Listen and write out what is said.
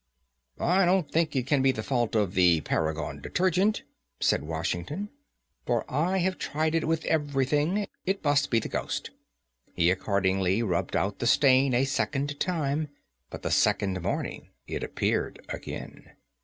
"I don't think it can be the fault of the Paragon Detergent," said Washington, "for I have tried it with everything. It must be the ghost." He accordingly rubbed out the stain a second time, but the second morning it appeared again.